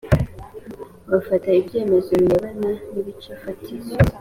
bafata ibyemezo birebana n ibice fatizo